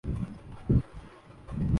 نوازشریف صاحب کی اصل طاقت یہی ہے۔